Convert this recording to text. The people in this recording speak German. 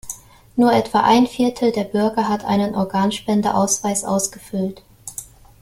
Nur etwa ein Viertel der Bürger hat einen Organspendeausweis ausgefüllt.